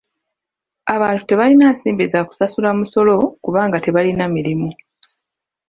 Abantu tebalina nsimbi za kusasula musolo kubanga tebalina mirimu.